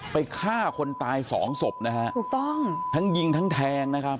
ฆ่าคนตายสองศพนะฮะถูกต้องทั้งยิงทั้งแทงนะครับ